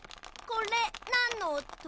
これなんのおと？